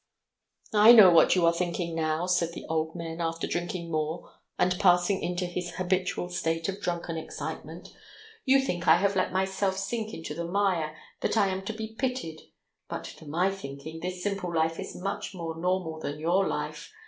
"I know what you are thinking now!" said the old man, after drinking more and passing into his habitual state of drunken excitement. "You think I have let myself sink into the mire, that I am to be pitied, but to my thinking, this simple life is much more normal than your life